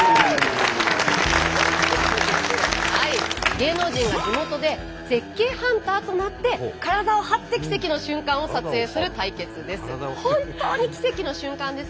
芸能人が地元で絶景ハンターとなって体を張って奇跡の瞬間を撮影する対決です。